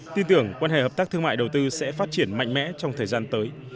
tin tưởng quan hệ hợp tác thương mại đầu tư sẽ phát triển mạnh mẽ trong thời gian tới